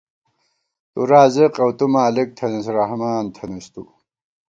تُو رازق اؤ تُو مالِک تھنَئیس، رحمان تھنَئیس تُو